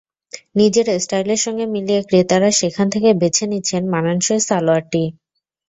নিজের স্টাইলের সঙ্গে মিলিয়ে ক্রেতারা সেখান থেকে বেছে নিচ্ছেন মানানসই সালোয়ারটি।